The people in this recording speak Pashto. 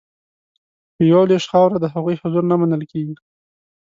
په یوه لوېشت خاوره د هغوی حضور نه منل کیږي